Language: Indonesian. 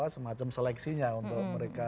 semacam seleksinya untuk mereka